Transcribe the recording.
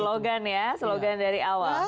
slogan ya slogan dari awal